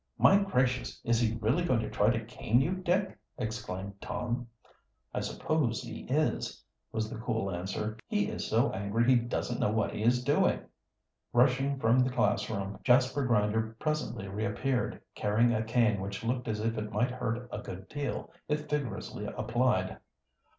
"My gracious! Is he really going to try to cane you, Dick!" exclaimed Tom. "I suppose he is," was the cool answer. "He is so angry he doesn't know what he is doing." Rushing from the classroom Jasper Grinder presently reappeared, carrying a cane which looked as if it might hurt a good deal, if vigorously applied.